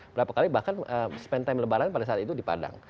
berapa kali bahkan spend time lebaran pada saat itu di padang